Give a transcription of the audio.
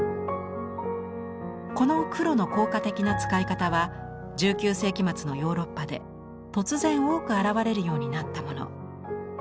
この黒の効果的な使い方は１９世紀末のヨーロッパで突然多く現れるようになったもの。